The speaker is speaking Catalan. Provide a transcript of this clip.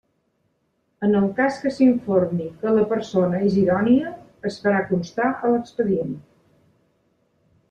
En el cas que s'informi que la persona és idònia es farà constar a l'expedient.